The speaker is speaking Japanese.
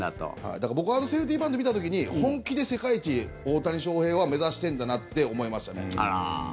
だから僕はあのセーフティーバントを見た時本気で世界一、大谷翔平は目指してんだなって思いました。